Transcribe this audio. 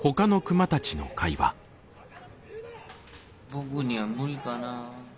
僕には無理かなあ。